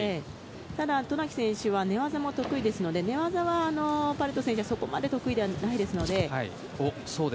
ただ渡名喜選手は寝技も得意ですので寝技はパレト選手はそこまで得意ではないですので。